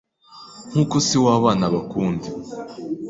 nkuko se w’abana abakunda